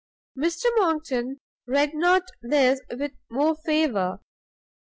Mr Monckton read not this with more favour.